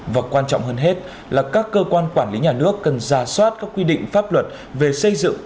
và quan trọng hơn hết là các cơ quan quản lý nhà nước cần ra soát các quy định pháp luật về xây dựng